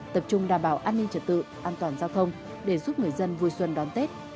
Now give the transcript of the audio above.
tập trung đảm bảo an ninh trật tự an toàn giao thông để giúp người dân vui xuân đón tết